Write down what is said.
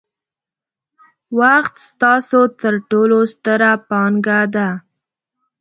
وخت ستاسو ترټولو ستره پانګه ده.